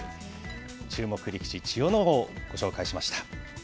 注目力士、千代ノ皇、ご紹介しました。